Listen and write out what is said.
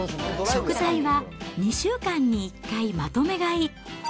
食材は、２週間に１回まとめ買い。